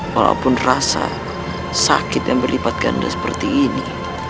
walaupun rasa sakit yang berlipat ganda seperti ini